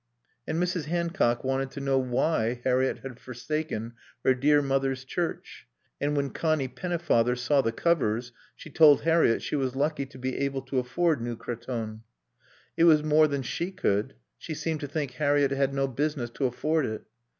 And Mrs. Hancock wanted to know why Harriett had forsaken her dear mother's church; and when Connie Pennefather saw the covers she told Harriett she was lucky to be able to afford new cretonne. It was more than she could; she seemed to think Harriett had no business to afford it.